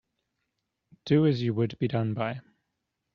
Do as you would be done by.